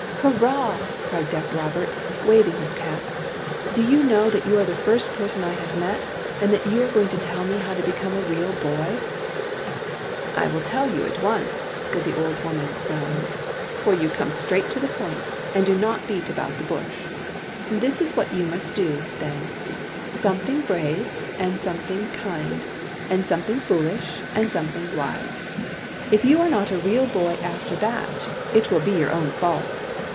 " Hurrah !'' cried deaf Robert, waving his cap. '* Do you know that you are the first person I have met, and that you are going to tell me how to become a real boy ?"" I will tell you at once," said the old woman, smiling, "for you come straight to the point and do not beat about the bush. This is what you must do, then :— something brave and something kind and something foolish and something wise. If you are not a real boy after that, it will be your own fault